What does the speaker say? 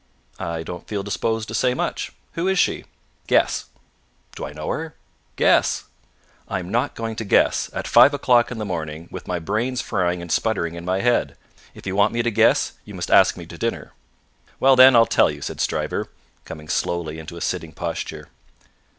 "I don't feel disposed to say much. Who is she?" "Guess." "Do I know her?" "Guess." "I am not going to guess, at five o'clock in the morning, with my brains frying and sputtering in my head. If you want me to guess, you must ask me to dinner." "Well then, I'll tell you," said Stryver, coming slowly into a sitting posture.